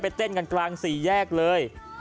เต้นกันกลางสี่แยกเลย